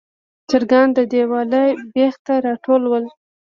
چرګان د دیواله بیخ ته راټول ول.